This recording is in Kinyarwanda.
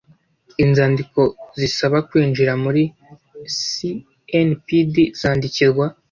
inzandiko zisaba kwinjira muri snpd zandikirwa